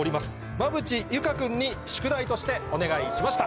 馬淵優佳君に宿題としてお願いしました。